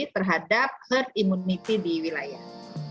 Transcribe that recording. terhadap herd immunity di wilayah